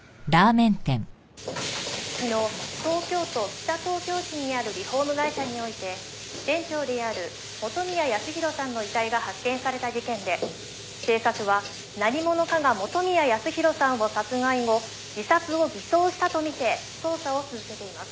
「昨日東京都北東京市にあるリフォーム会社において店長である元宮康宏さんの遺体が発見された事件で警察は何者かが元宮康宏さんを殺害後自殺を偽装したと見て捜査を続けています」